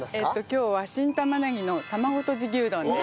今日は新玉ねぎの卵とじ牛丼です。